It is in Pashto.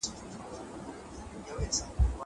که وخت وي، درسونه لوستل کوم!